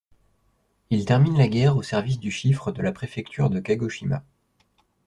Il termine la guerre au service du chiffre de la préfecture de Kagoshima.